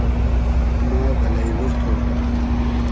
ما بئلݷ بور تو